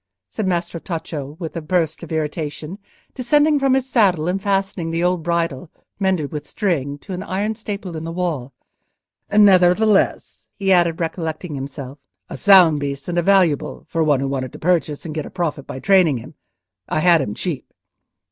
said Maestro Tacco, with a burst of irritation, descending from his saddle and fastening the old bridle, mended with string, to an iron staple in the wall. "Nevertheless," he added, recollecting himself, "a sound beast and a valuable, for one who wanted to purchase, and get a profit by training him. I had him cheap."